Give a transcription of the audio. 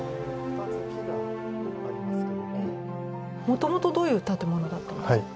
もともとどういう建物だったんですか？